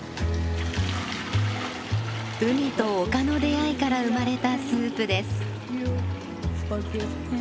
海と丘の出会いから生まれたスープです。